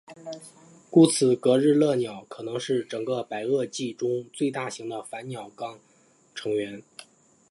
故此格日勒鸟可能是整个白垩纪中最大型的反鸟亚纲成员。